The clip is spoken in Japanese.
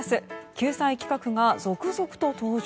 救済企画が続々と登場。